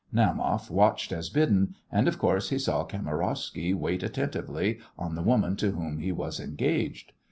Naumoff watched as bidden, and of course he saw Kamarowsky wait attentively on the woman to whom he was engaged.